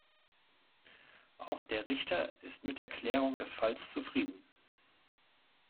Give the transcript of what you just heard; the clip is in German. Auch der Richter ist mit der Klärung des Falls zufrieden.